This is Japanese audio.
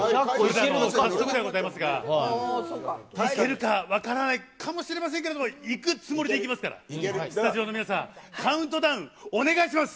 早速ではございますが、いけるか分からないかもしれませんけれども、いくつもりでいきますから、スタジオの皆さん、カウントダウンお願いします。